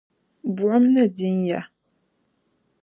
buɣim ni din ya.